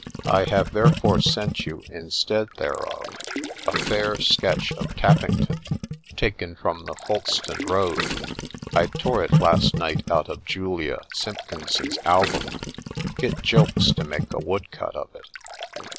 I have therefore sent you, instead thereof, a fair sketch of Tappington, taken from the Folkestone road (I tore it last night out of Julia Simpkinson's album) ; get Gilks to make a woodcut of it.